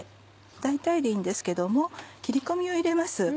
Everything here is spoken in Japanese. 大体でいいんですけども切り込みを入れます。